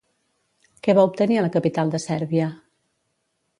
Què va obtenir a la capital de Sèrbia?